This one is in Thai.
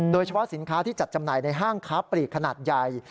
โดยเฉพาะสินค้าที่จัดจำหน่ายในห้างค้าปลีกขนาดใหญ่